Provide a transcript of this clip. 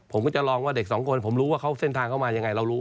ผมก็จะลองว่าเด็กสองคนผมรู้ว่าเขาเส้นทางเข้ามายังไงเรารู้